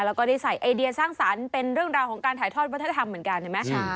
แล้วก็ได้ใส่ไอเดียสร้างสรรค์เป็นเรื่องราวของการถ่ายทอดวัฒนธรรมเหมือนกันเห็นไหม